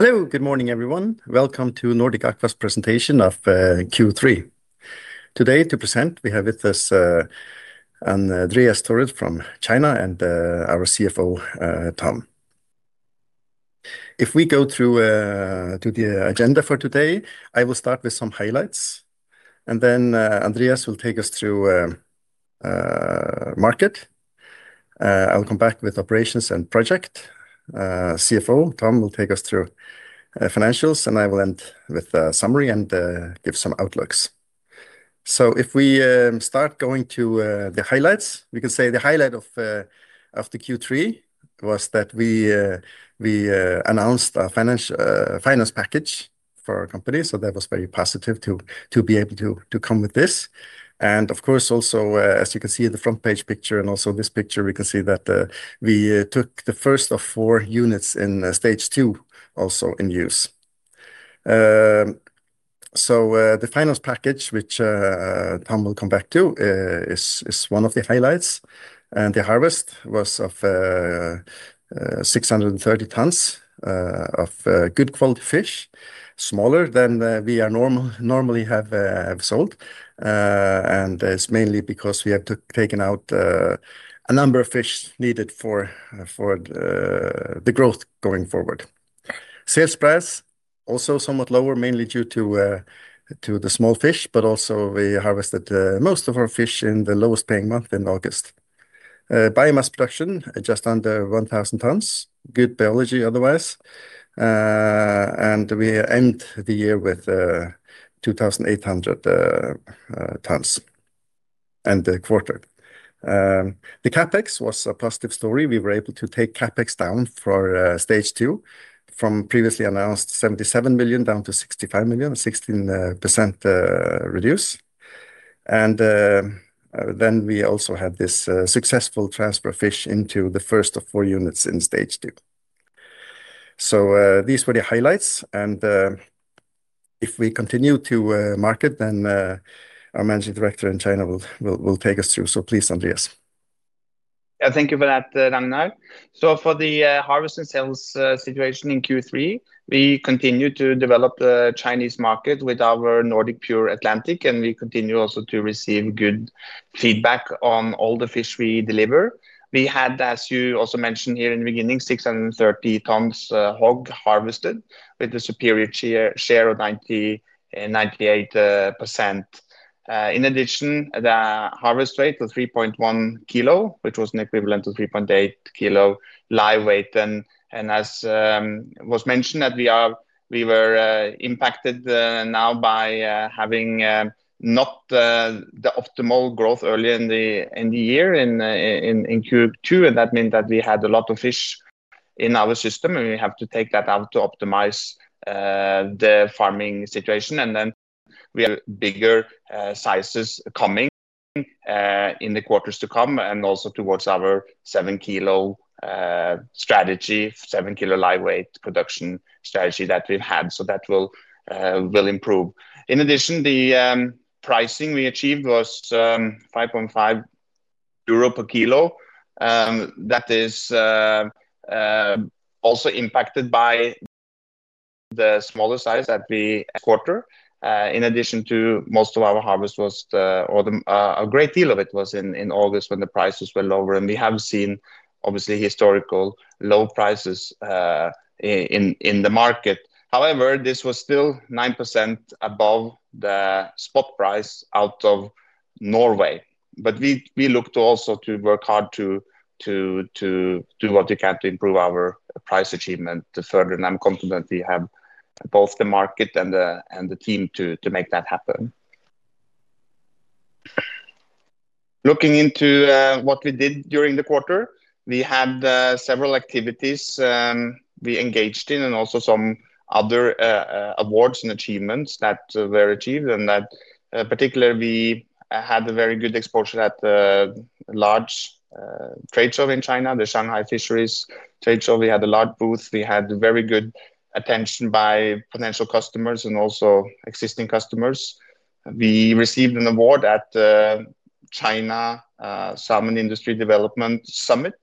Hello, good morning everyone. Welcome to Nordic Aqua's presentation of Q3. Today to present, we have with us Andreas Thorud from China and our CFO, Tom. If we go through the agenda for today, I will start with some highlights, and then Andreas will take us through market. I'll come back with operations and project. CFO Tom will take us through financials, and I will end with a summary and give some outlooks. If we start going to the highlights, we can say the highlight of the Q3 was that we announced a finance package for our company, so that was very positive to be able to come with this. Of course, also, as you can see the front page picture and also this picture, we can see that we took the first of four units in stage two also in use. The finance package, which Tom will come back to, is one of the highlights. The harvest was of 630 tons of good quality fish, smaller than we normally have sold. It is mainly because we have taken out a number of fish needed for the growth going forward. Sales price also somewhat lower, mainly due to the small fish, but also we harvested most of our fish in the lowest paying month in August. Biomass production just under 1,000 tons, good biology otherwise. We aimed the year with 2,800 tons and the quarter. The CapEx was a positive story. We were able to take CapEx down for stage two from previously announced 77 million down to 65 million, a 16% reduce. We also had this successful transfer of fish into the first of four units in stage two. These were the highlights. If we continue to market, our Managing Director in China will take us through. Please, Andreas. Yeah, thank you for that, Ragnar. For the harvest and sales situation in Q3, we continue to develop the Chinese market with our Nordic Pure Atlantic, and we continue also to receive good feedback on all the fish we deliver. We had, as you also mentioned here in the beginning, 630 tons hog harvested with a superior share of 98%. In addition, the harvest weight of 3.1 kg, which was an equivalent of 3.8 kg live weight. As was mentioned, we were impacted now by having not the optimal growth earlier in the year in Q2. That meant that we had a lot of fish in our system, and we have to take that out to optimize the farming situation. Then we have bigger sizes coming in the quarters to come and also towards our 7 kg strategy, 7 kg live weight production strategy that we've had. That will improve. In addition, the pricing we achieved was 5.5 euro per kilo. That is also impacted by the smaller size that we quarter. In addition, most of our harvest was, or a great deal of it was in August when the prices were lower. We have seen obviously historical low prices in the market. However, this was still 9% above the spot price out of Norway. We look to also to work hard to do what we can to improve our price achievement further. I'm confident we have both the market and the team to make that happen. Looking into what we did during the quarter, we had several activities we engaged in and also some other awards and achievements that were achieved. We had a very good exposure at the large trade show in China, the Shanghai fisheries trade show. We had a large booth. We had very good attention by potential customers and also existing customers. We received an award at China Salmon Industry Development Summit,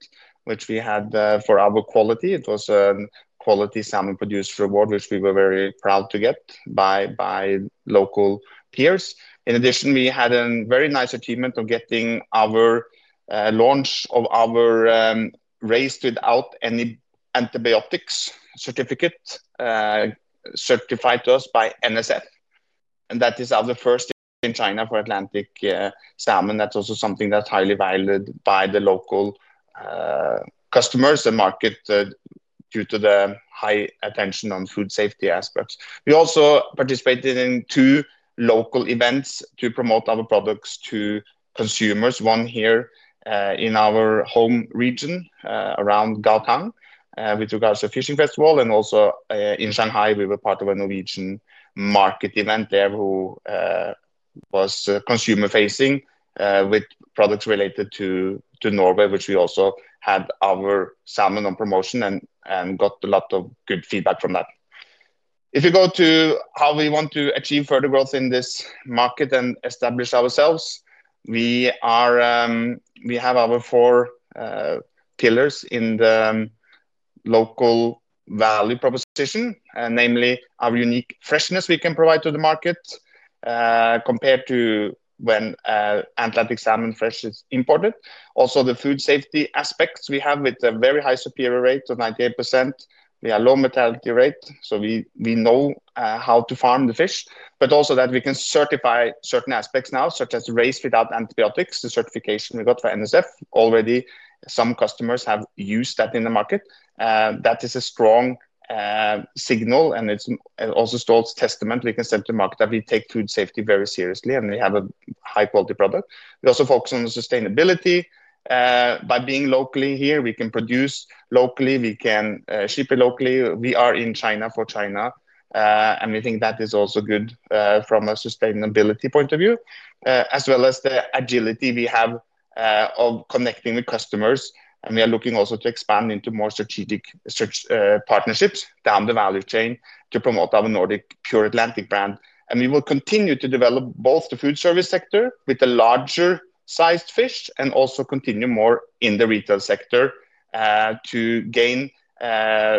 which we had for our quality. It was a quality salmon producer award, which we were very proud to get by local peers. In addition, we had a very nice achievement of getting our launch of our raised without any antibiotics certificate certified to us by NSF. That is our first in China for Atlantic salmon. That's also something that's highly valued by the local customers and market due to the high attention on food safety aspects. We also participated in two local events to promote our products to consumers. One here in our home region around Huzhou with regards to fishing festival. Also in Shanghai, we were part of a Norwegian market event there who was consumer facing with products related to Norway, which we also had our salmon on promotion and got a lot of good feedback from that. If you go to how we want to achieve further growth in this market and establish ourselves, we have our four pillars in the local value proposition, namely our unique freshness we can provide to the market compared to when Atlantic salmon fresh is imported. Also the food safety aspects we have with a very high superior rate of 98%. We have a low mortality rate, so we know how to farm the fish, but also that we can certify certain aspects now, such as raised without antibiotics, the certification we got from NSF. Already some customers have used that in the market. That is a strong signal and it is also a strong testament we can send to the market that we take food safety very seriously and we have a high quality product. We also focus on sustainability. By being locally here, we can produce locally, we can ship it locally. We are in China for China. We think that is also good from a sustainability point of view, as well as the agility we have of connecting with customers. We are looking also to expand into more strategic partnerships down the value chain to promote our Nordic Pure Atlantic brand. We will continue to develop both the food service sector with the larger sized fish and also continue more in the retail sector to gain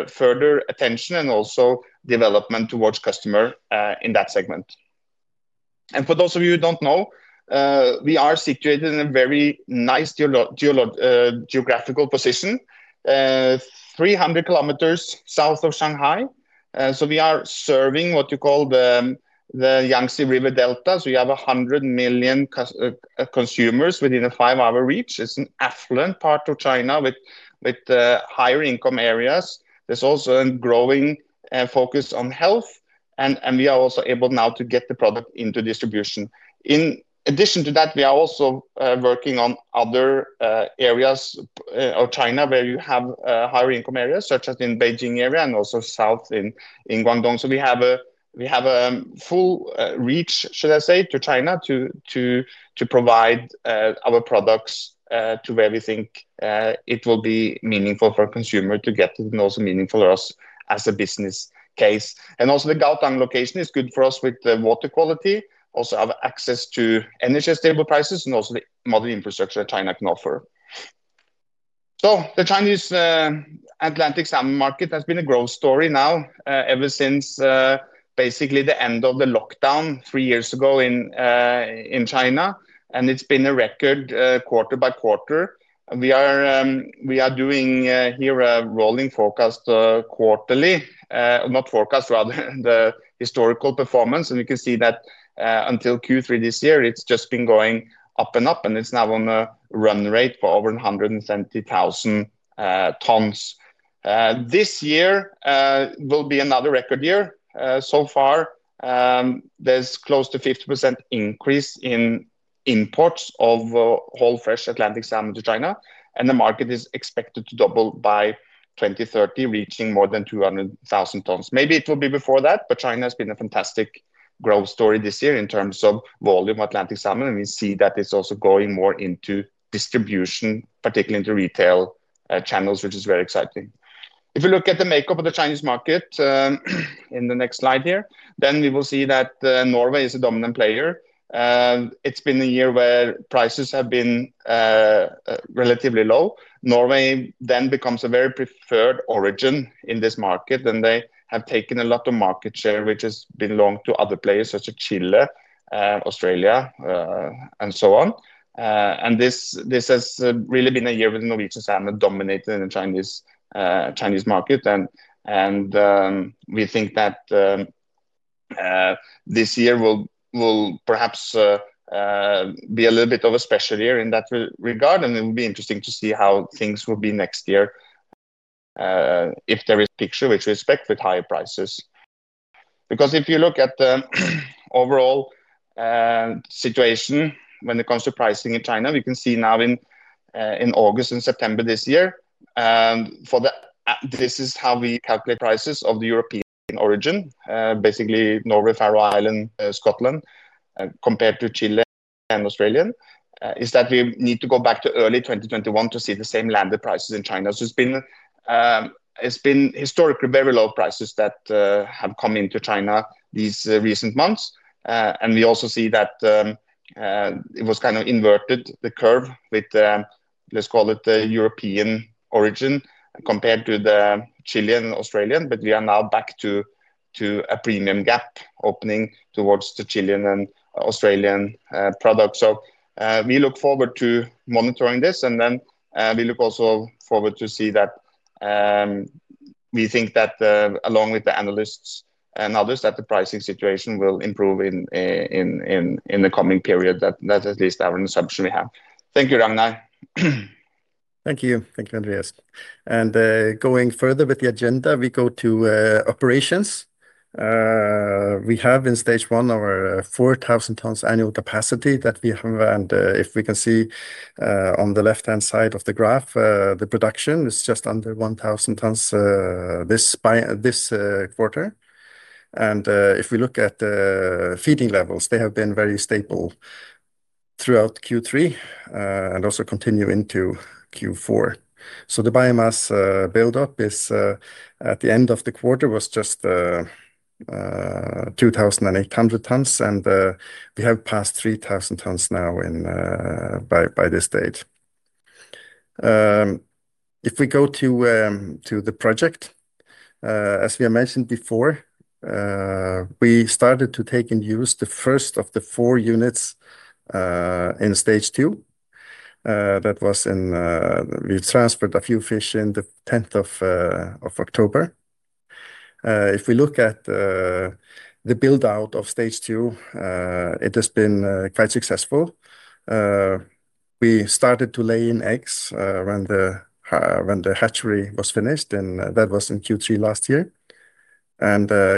further attention and also development towards customer in that segment. For those of you who do not know, we are situated in a very nice geographical position, 300 km south of Shanghai. We are serving what you call the Yangtze River Delta. We have 100 million consumers within a five hour reach. It is an affluent part of China with higher income areas. There is also a growing focus on health. We are also able now to get the product into distribution. In addition to that, we are also working on other areas of China where you have higher income areas, such as in the Beijing area and also south in Guangdong. We have a full reach, should I say, to China to provide our products to where we think it will be meaningful for consumer to get it and also meaningful for us as a business case. Also, the Huzhou location is good for us with the water quality, also have access to energy stable prices and also the modern infrastructure that China can offer. The Chinese Atlantic salmon market has been a growth story now ever since basically the end of the lockdown three years ago in China. It's been a record quarter by quarter. We are doing here a rolling forecast quarterly, not forecast, rather the historical performance. We can see that until Q3 this year, it's just been going up and up. It's now on a run rate for over 170,000 tons. This year will be another record year. There is close to a 50% increase in imports of whole fresh Atlantic salmon to China. The market is expected to double by 2030, reaching more than 200,000 tons. Maybe it will be before that, but China has been a fantastic growth story this year in terms of volume Atlantic salmon. We see that it is also going more into distribution, particularly into retail channels, which is very exciting. If we look at the makeup of the Chinese market in the next slide here, we will see that Norway is a dominant player. It has been a year where prices have been relatively low. Norway then becomes a very preferred origin in this market. They have taken a lot of market share, which has belonged to other players such as Chile, Australia, and so on. This has really been a year with Norwegian salmon dominating the Chinese market. We think that this year will perhaps be a little bit of a special year in that regard. It will be interesting to see how things will be next year if there is a picture which we expect with higher prices. If you look at the overall situation when it comes to pricing in China, we can see now in August and September this year, this is how we calculate prices of the European origin, basically Norway, Faroe Islands, Scotland, compared to Chile and Australia, is that we need to go back to early 2021 to see the same landed prices in China. It has been historically very low prices that have come into China these recent months. We also see that it was kind of inverted, the curve with, let's call it the European origin compared to the Chilean and Australian. We are now back to a premium gap opening towards the Chilean and Australian products. We look forward to monitoring this. We also look forward to see that we think that, along with the analysts and others, the pricing situation will improve in the coming period. That is at least our assumption we have. Thank you, Ragnar. Thank you. Thank you, Andreas. Going further with the agenda, we go to operations. We have in stage one our 4,000 tons annual capacity that we have. If we can see on the left-hand side of the graph, the production is just under 1,000 tons this quarter. If we look at the feeding levels, they have been very stable throughout Q3 and also continue into Q4. The biomass buildup at the end of the quarter was just 2,800 tons. We have passed 3,000 tons now by this date. If we go to the project, as we have mentioned before, we started to take in use the first of the four units in stage two. That was in, we transferred a few fish on the 10th of October. If we look at the buildout of stage two, it has been quite successful. We started to lay in eggs when the hatchery was finished. That was in Q3 last year.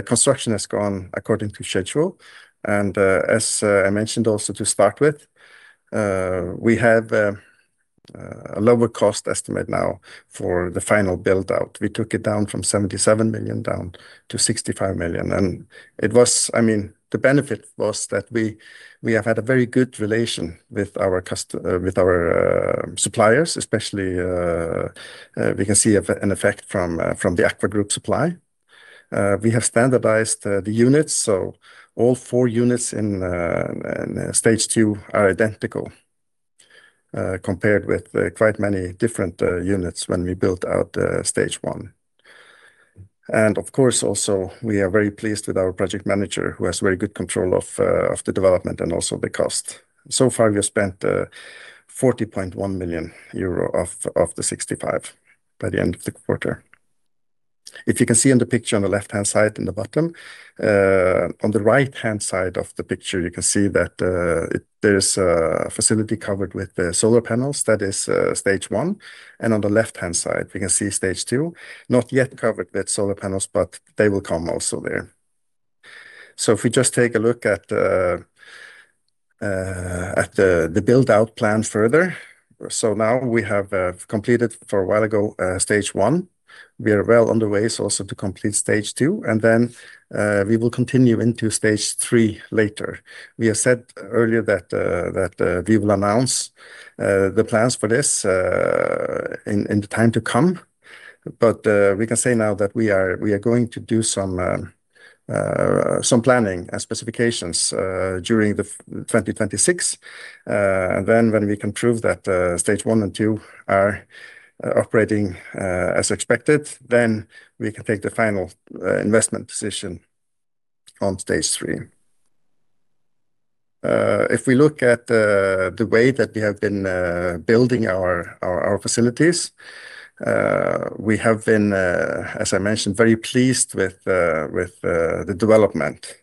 Construction has gone according to schedule. As I mentioned also to start with, we have a lower cost estimate now for the final buildout. We took it down from 77 million down to 65 million. I mean, the benefit was that we have had a very good relation with our suppliers, especially we can see an effect from the Aqua Group supply. We have standardized the units. All four units in stage two are identical compared with quite many different units when we built out stage one. Of course, also we are very pleased with our project manager who has very good control of the development and also the cost. So far, we have spent 40.1 million euro of the 65 million by the end of the quarter. If you can see in the picture on the left-hand side in the bottom, on the right-hand side of the picture, you can see that there is a facility covered with solar panels. That is stage one. On the left-hand side, we can see stage two, not yet covered with solar panels, but they will come also there. If we just take a look at the buildout plan further, now we have completed for a while ago stage one. We are well on the way also to complete stage two. We will continue into stage three later. We have said earlier that we will announce the plans for this in the time to come. We can say now that we are going to do some planning and specifications during 2026. Then when we can prove that stage one and two are operating as expected, we can take the final investment decision on stage three. If we look at the way that we have been building our facilities, we have been, as I mentioned, very pleased with the development.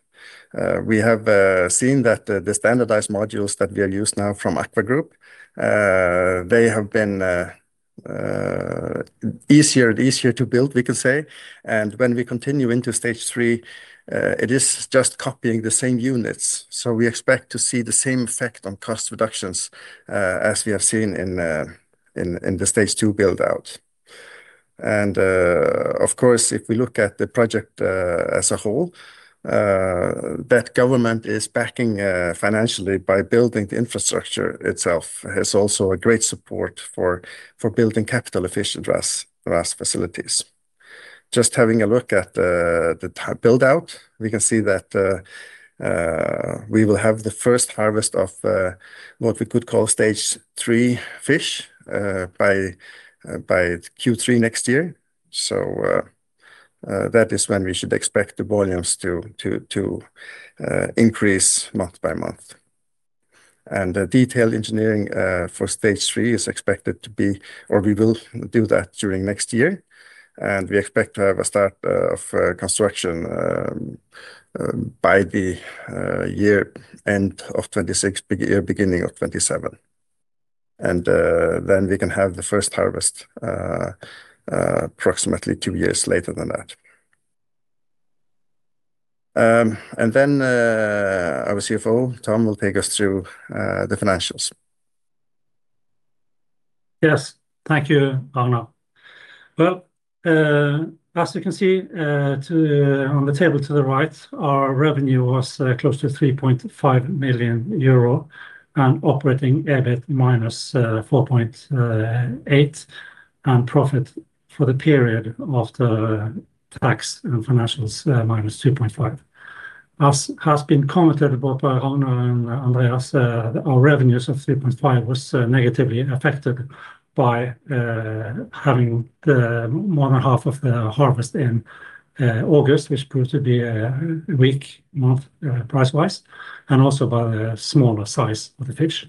We have seen that the standardized modules that we are using now from Aqua Group have been easier to build, we can say. When we continue into stage three, it is just copying the same units. We expect to see the same effect on cost reductions as we have seen in the stage two buildout. Of course, if we look at the project as a whole, that government is backing financially by building the infrastructure itself has also a great support for building capital efficient RAS facilities. Just having a look at the buildout, we can see that we will have the first harvest of what we could call stage three fish by Q3 next year. That is when we should expect the volumes to increase month by month. The detailed engineering for stage three is expected to be, or we will do that during next year. We expect to have a start of construction by the year end of 2026, beginning of 2027. We can have the first harvest approximately two years later than that. Our CFO, Tom, will take us through the financials. Yes, thank you, Ragnar. As you can see on the table to the right, our revenue was close to 3.5 million euro and operating EBIT -4.8 million and profit for the period after tax and financials -2.5 million. As has been commented both by Arno and Andreas, our revenues of 3.5 million was negatively affected by having more than half of the harvest in August, which proved to be a weak month price-wise and also by the smaller size of the fish.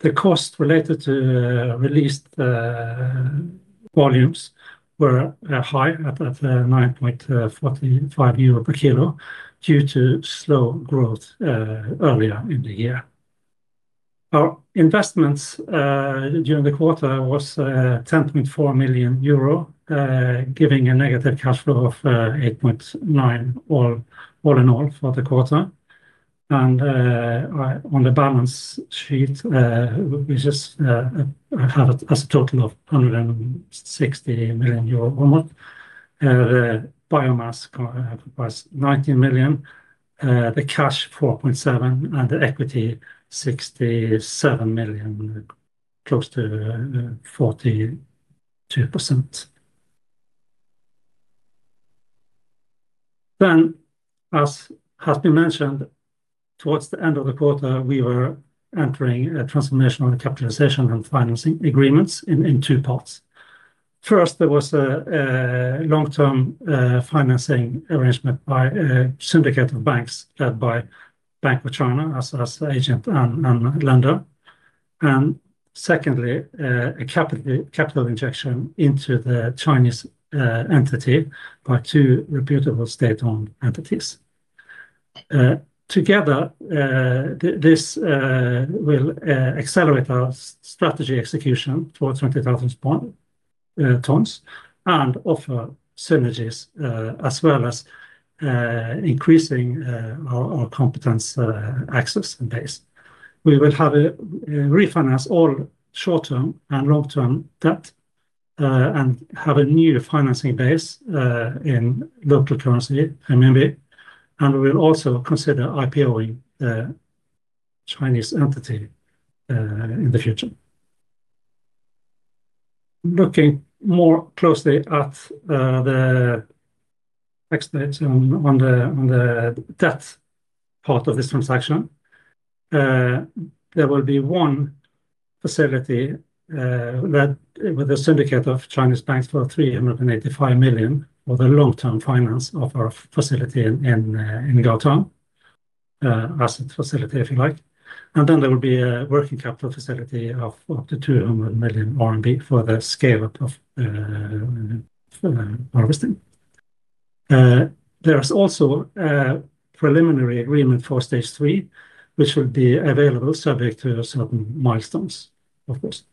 The cost related to released volumes were high at 9.45 euro per kilo due to slow growth earlier in the year. Our investments during the quarter was 10.4 million euro, giving a negative cash flow of 8.9 million all in all for the quarter. On the balance sheet, we just have it as a total of 160 million euro or more. The biomass comprised 19 million, the cash 4.7 million, and the equity 67 million, close to 42%. As has been mentioned, towards the end of the quarter, we were entering a transformational capitalization and financing agreements in two parts. First, there was a long-term financing arrangement by a syndicate of banks led by Bank of China as an agent and lender. Secondly, a capital injection into the Chinese entity by two reputable state-owned entities. Together, this will accelerate our strategy execution for 20,000 tonnes and offer synergies as well as increasing our competence access and base. We will have refinanced all short-term and long-term debt and have a new financing base in local currency, I mean, and we will also consider IPOing the Chinese entity in the future. Looking more closely at the debt part of this transaction, there will be one facility with a syndicate of Chinese banks for 385 million for the long-term finance of our facility in Huzhou, asset facility, if you like. There will be a working capital facility of up to 200 million RMB for the scale-up of harvesting. There is also a preliminary agreement for stage three, which will be available subject to certain milestones, of course.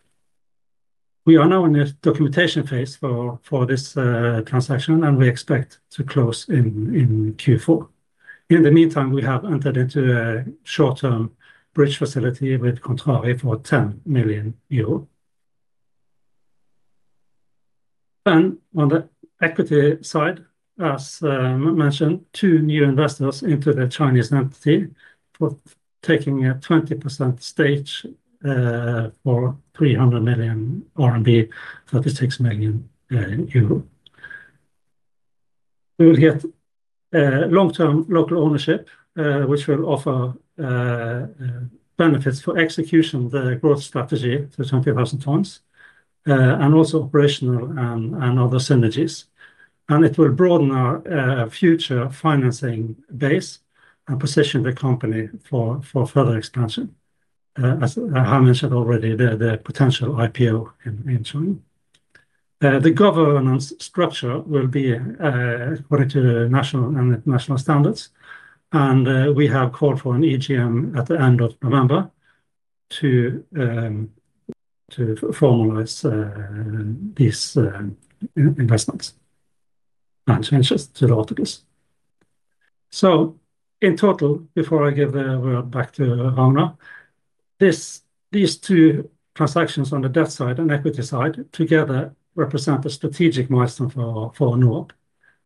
We are now in the documentation phase for this transaction, and we expect to close in Q4. In the meantime, we have entered into a short-term bridge facility with Contrary for 10 million euro. On the equity side, as mentioned, two new investors into the Chinese entity for taking a 20% stage for 300 million RMB, 36 million euro. We will get long-term local ownership, which will offer benefits for execution of the growth strategy to 20,000 tonnes and also operational and other synergies. It will broaden our future financing base and position the company for further expansion. As I mentioned already, the potential IPO in China. The governance structure will be according to national and international standards. We have called for an EGM at the end of November to formalize these investments and changes to the articles. In total, before I give the word back to Arno, these two transactions on the debt side and equity side together represent a strategic milestone for Nordic Aqua.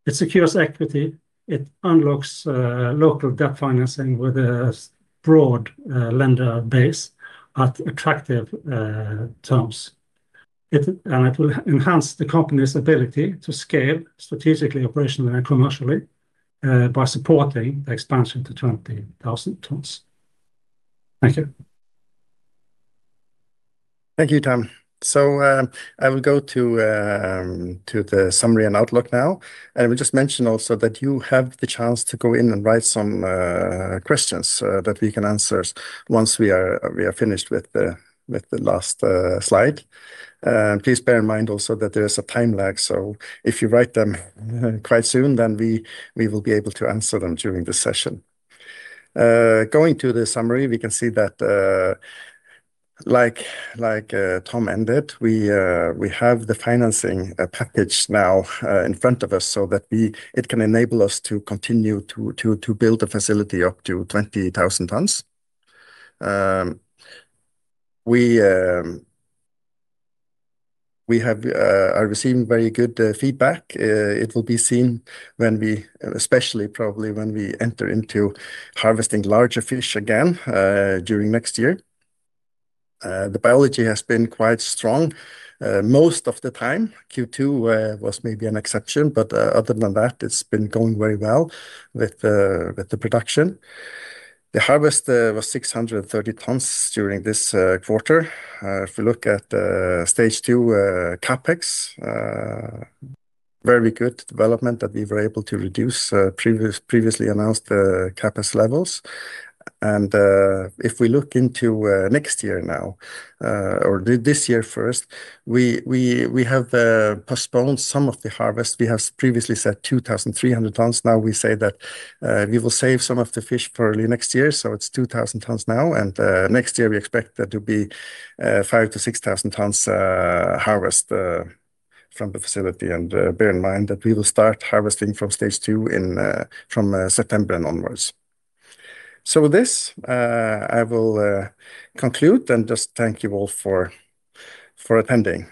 It secures equity. It unlocks local debt financing with a broad lender base at attractive terms. It will enhance the company's ability to scale strategically, operationally, and commercially by supporting the expansion to 20,000 tonnes. Thank you. Thank you, Tom. I will go to the summary and outlook now. We just mentioned also that you have the chance to go in and write some questions that we can answer once we are finished with the last slide. Please bear in mind also that there is a time lag. If you write them quite soon, then we will be able to answer them during the session. Going to the summary, we can see that like Tom ended, we have the financing package now in front of us so that it can enable us to continue to build a facility up to 20,000 tonnes. We have received very good feedback. It will be seen when we, especially probably when we enter into harvesting larger fish again during next year. The biology has been quite strong most of the time. Q2 was maybe an exception, but other than that, it's been going very well with the production. The harvest was 630 tonnes during this quarter. If we look at stage two CapEx, very good development that we were able to reduce previously announced CapEx levels. If we look into next year now, or this year first, we have postponed some of the harvest. We have previously said 2,300 tonnes. Now we say that we will save some of the fish for early next year. It is 2,000 tonnes now. Next year, we expect there to be 5,000-6,000 tonnes harvest from the facility. Bear in mind that we will start harvesting from stage two from September and onwards. With this, I will conclude and just thank you all for attending.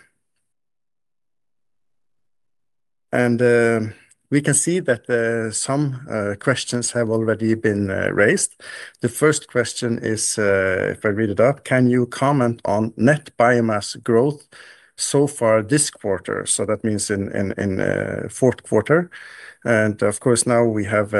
We can see that some questions have already been raised. The first question is, if I read it up, can you comment on net biomass growth so far this quarter? That means in fourth quarter. Of course, now we have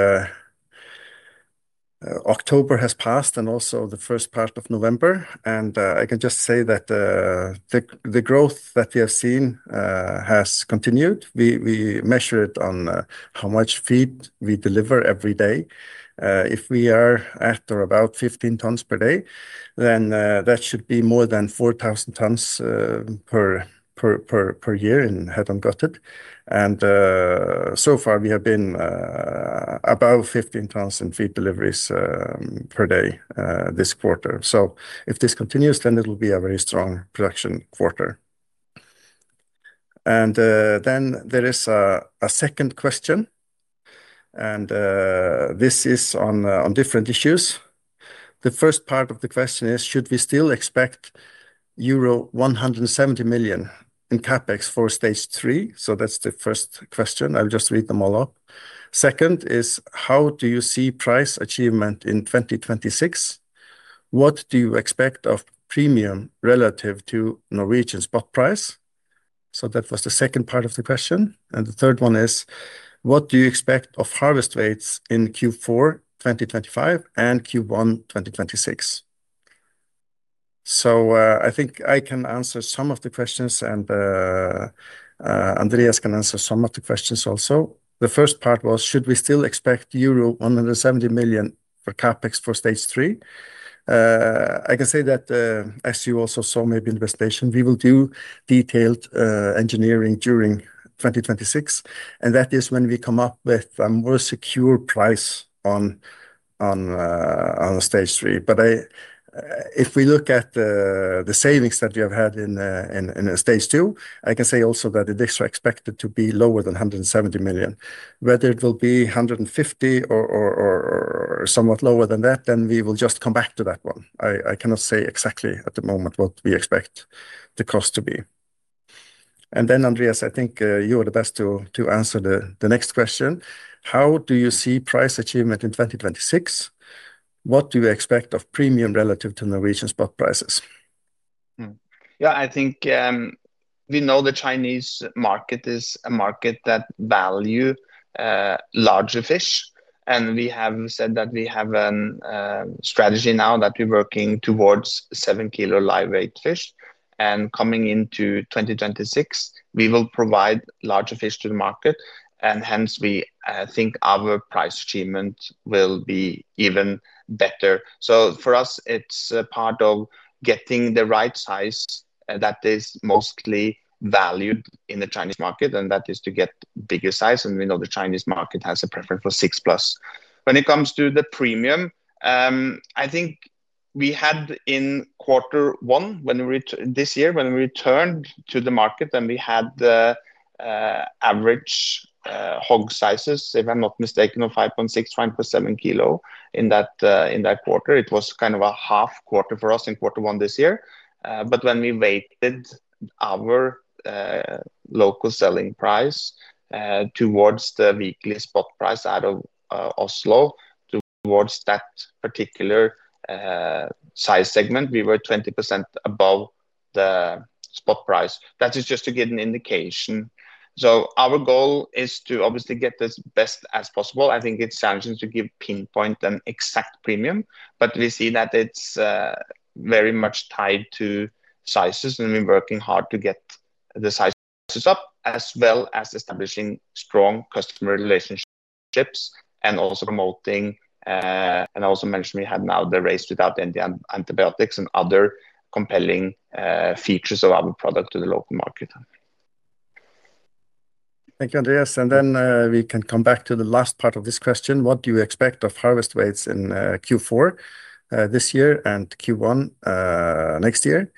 October has passed and also the first part of November. I can just say that the growth that we have seen has continued. We measure it on how much feed we deliver every day. If we are at or about 15 tonnes per day, that should be more than 4,000 tonnes per year in head and gutted. So far, we have been above 15 tonnes in feed deliveries per day this quarter. If this continues, it will be a very strong production quarter. There is a second question. This is on different issues. The first part of the question is, should we still expect euro 170 million in CapEx for stage three? That is the first question. I will just read them all up. The second is, how do you see price achievement in 2026? What do you expect of premium relative to Norwegian spot price? That was the second part of the question. The third one is, what do you expect of harvest rates in Q4 2025 and Q1 2026? I think I can answer some of the questions and Andreas can answer some of the questions also. The first part was, should we still expect euro 170 million for CapEx for stage three? I can say that, as you also saw, maybe investigation, we will do detailed engineering during 2026. That is when we come up with a more secure price on stage three. If we look at the savings that we have had in stage two, I can say also that it is expected to be lower than 170 million. Whether it will be 150 million or somewhat lower than that, then we will just come back to that one. I cannot say exactly at the moment what we expect the cost to be. Andreas, I think you are the best to answer the next question. How do you see price achievement in 2026? What do you expect of premium relative to Norwegian spot prices? Yeah, I think we know the Chinese market is a market that values larger fish. We have said that we have a strategy now that we're working towards 7 kg live weight fish. Coming into 2026, we will provide larger fish to the market. Hence, we think our price achievement will be even better. For us, it's part of getting the right size that is mostly valued in the Chinese market. That is to get bigger size. We know the Chinese market has a preference for 6+. When it comes to the premium, I think we had in quarter one this year, when we returned to the market, we had average hog sizes, if I'm not mistaken, of 5.6 kg, 5.7 kg in that quarter. It was kind of a half quarter for us in quarter one this year. When we weighted our local selling price towards the weekly spot price out of Oslo towards that particular size segment, we were 20% above the spot price. That is just to give an indication. Our goal is to obviously get as best as possible. I think it's challenging to pinpoint an exact premium, but we see that it's very much tied to sizes. We're working hard to get the sizes up as well as establishing strong customer relationships and also promoting. I also mentioned we have now the raised without antibiotics and other compelling features of our product to the local market. Thank you, Andreas. Then we can come back to the last part of this question. What do you expect of harvest weights in Q4 this year and Q1 next year?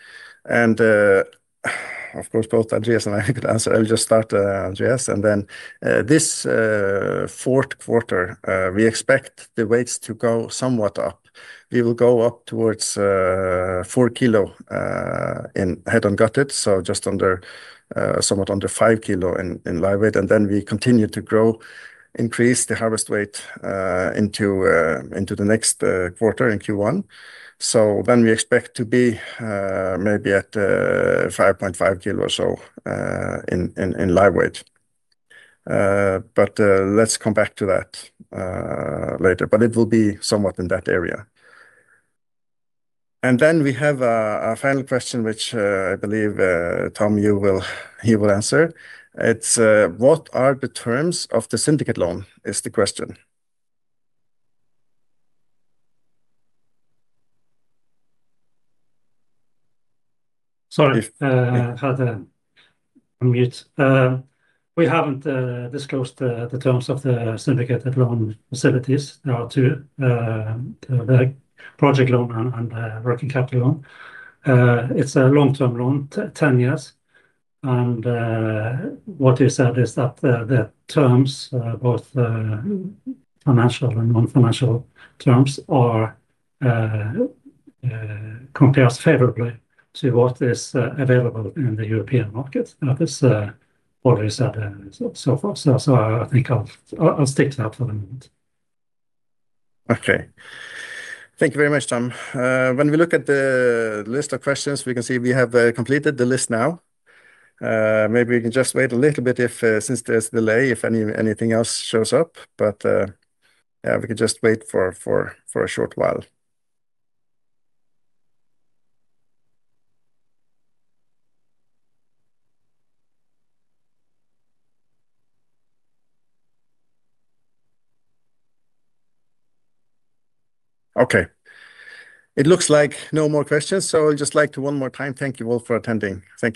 Of course, both Andreas and I could answer. I'll just start, Andreas. In this fourth quarter, we expect the weights to go somewhat up. We will go up towards 4 kg in head and gutted, so just somewhat under 5 kg in live weight. We continue to grow, increase the harvest weight into the next quarter in Q1. We expect to be maybe at 5.5 kg or so in live weight. Let's come back to that later, but it will be somewhat in that area. We have a final question, which I believe Tom, you will answer. It is what are the terms of the syndicate loan is the question. Sorry, I had to unmute. We haven't disclosed the terms of the syndicate loan facilities. There are two: the project loan and the working capital loan. It's a long-term loan, 10 years. What you said is that the terms, both financial and non-financial terms, compare favorably to what is available in the European market. That is what we said so far. I think I'll stick to that for the moment. Okay. Thank you very much, Tom. When we look at the list of questions, we can see we have completed the list now. Maybe we can just wait a little bit since there's a delay if anything else shows up. Yeah, we can just wait for a short while. Okay. It looks like no more questions. I'd just like to one more time, thank you all for attending. Thank you.